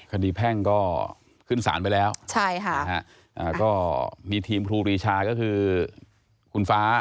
คดีแพ่งก็ขึ้นศาลไปแล้วมีทีมครูปรีชาก็คือคุณฟ้า